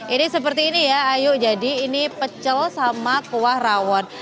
ini seperti ini ya ayu jadi ini pecel sama kuah rawon